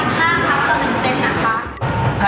ก็ถึงเต็มนะคะ